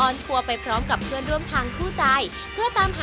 จิตย่าจิตย่า